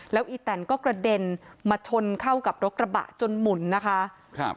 แล้วอีแตนก็กระเด็นมาชนเข้ากับรถกระบะจนหมุนนะคะครับ